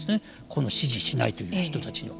この支持しないという人たちの。